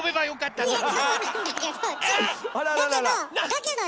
よかったよ。